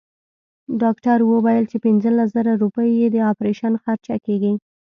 ډاکټر وويل چې پنځلس زره روپۍ يې د اپرېشن خرچه کيږي.